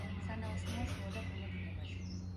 სანაოსნოა შუა და ქვემო დინებაში.